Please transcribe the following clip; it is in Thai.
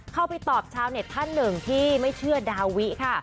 เข้าไปตอบชาวเน็ตท่านหนึ่งที่ไม่เชื่อดาวิค่ะ